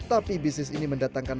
tapi bisnis ini mendapatkan keuntungan